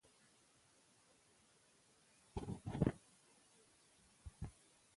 ښوونه او روزنه د نجونو راتلونکی روښانه کوي.